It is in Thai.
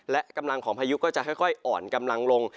และกำลังของพายุก็จะค่อยอ่อนกำลังลง